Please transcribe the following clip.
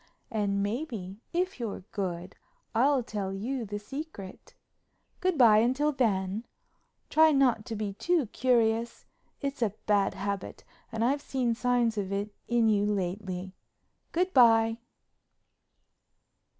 And, maybe, if you're good, I'll tell you the secret. Good bye until then—try not to be too curious. It's a bad habit and I've seen signs of it in you lately. Good bye."